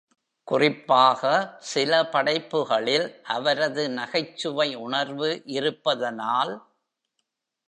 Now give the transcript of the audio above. குறிப்பாக, சில படைப்புகளில் அவரது நகைச்சுவை உணர்வு இருப்பதனால்.